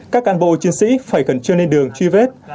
các cán bộ chuyên sĩ phải cần chưa lên đường truy vết